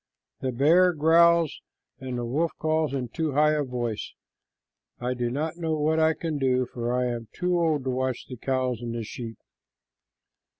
The bear growls and the wolf calls in too high a voice. I do not know what I can do, for I am too old to watch cows and sheep."